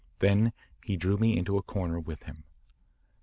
Then he drew me into a corner with him.